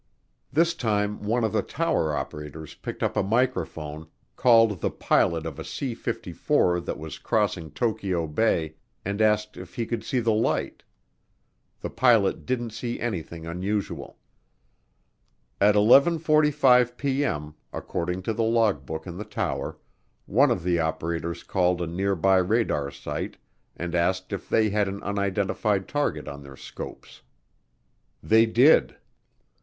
This time one of the tower operators picked up a microphone, called the pilot of a C 54 that was crossing Tokyo Bay, and asked if he could see the light. The pilot didn't see anything unusual. At 11:45P.M., according to the logbook in the tower, one of the operators called a nearby radar site and asked if they had an unidentified target on their scopes. They did.